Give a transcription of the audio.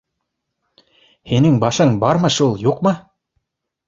— Һинең башың бармы шул, юҡмы?!